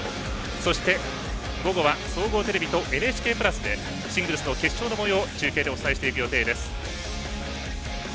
そして、午後は総合テレビとＮＨＫプラスでシングルスの決勝のもようを中継でお伝えしていく予定です。